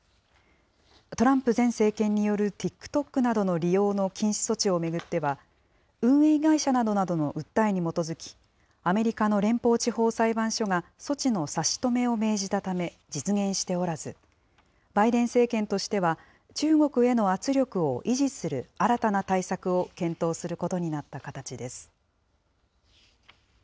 トランプ前政権によるＴｉｋＴｏｋなどの利用の禁止措置を巡っては、運営会社などの訴えに基づき、アメリカの連邦地方裁判所が措置の差し止めを命じたため実現しておらず、バイデン政権としては、中国への圧力を維持する新たな対策を検討することになった形です。